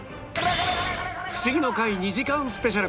『フシギの会』２時間スペシャル。